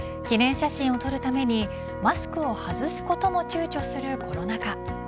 記念写真を撮るためにマスクを外すこともちゅうちょする、コロナ禍。